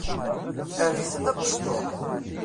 Err-it d abesṭuḥ.